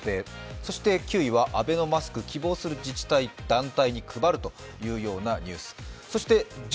そして９位はアベノマスク、希望する自治体、団体に配るというようなニュース。